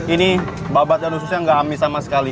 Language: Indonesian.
ini babat dan ususnya nggak amis sama sekali